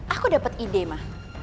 aku dapat ide ma